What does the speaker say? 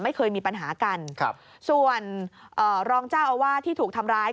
ไม่เคยมีปัญหากันครับส่วนเอ่อรองเจ้าอาวาสที่ถูกทำร้าย